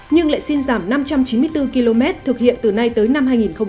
nhưng lại xin giảm năm trăm chín mươi bốn km thực hiện từ nay tới năm hai nghìn hai mươi